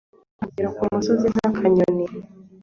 hungira ku musozi nk'akanyoni